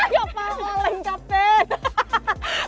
ya pak lengkap ben